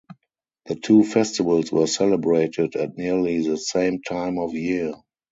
The two festivals were celebrated at nearly the same time of year.